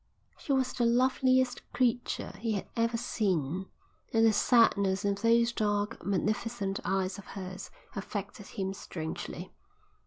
She was the loveliest creature he had ever seen, and the sadness in those dark, magnificent eyes of hers affected him strangely.